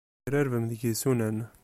Tegrarbem deg yisunan.